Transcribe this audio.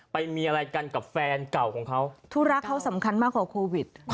ไปมีอะไรกันกับแฟนเก่าของเขาธุระเขาสำคัญมากกว่าโควิด